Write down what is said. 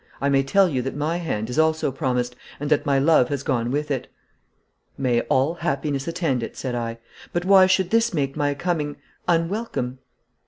I may tell you that my hand is also promised, and that my love has gone with it.' 'May all happiness attend it!' said I. 'But why should this make my coming unwelcome?'